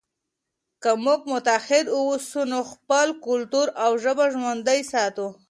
که موږ متحد واوسو نو خپل کلتور او ژبه ژوندی ساتو.